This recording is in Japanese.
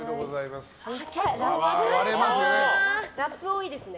ラップ多いですね。